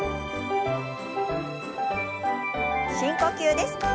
深呼吸です。